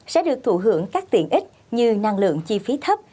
sẽ được thụ hưởng các tiện ích như năng lượng chi phí thấp